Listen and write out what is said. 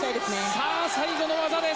さあ、最後の技です。